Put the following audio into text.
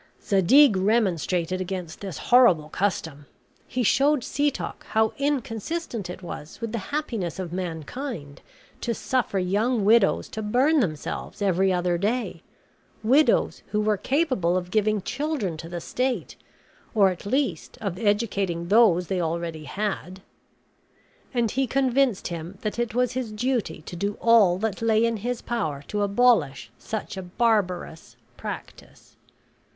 Zadig remonstrated against this horrible custom; he showed Setoc how inconsistent it was with the happiness of mankind to suffer young widows to burn themselves every other day, widows who were capable of giving children to the state, or at least of educating those they already had; and he convinced him that it was his duty to do all that lay in his power to abolish such a barbarous practice.